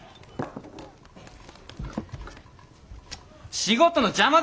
仕事の邪魔だ！